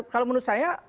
kalau menurut saya